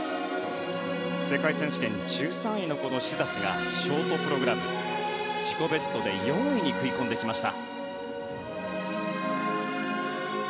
世界選手権１３位のこのシザスがショートプログラム自己ベストで４位に食い込んできました。